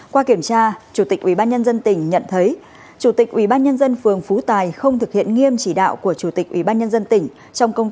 qua kiểm tra chủ tịch ubnd tỉnh nhận thấy chủ tịch ubnd phường phú tài không thực hiện nghiêm chỉ đạo của chủ tịch ubnd tỉnh trong công tác phòng chống dịch covid một mươi chín